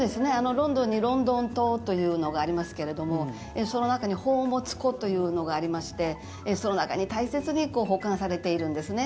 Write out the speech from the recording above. ロンドンにロンドン塔というのがありますけれどもその中に宝物庫というのがありましてその中に大切に保管されているんですね。